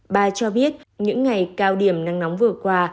bà cho biết những ngày cao điểm nắng nóng vừa qua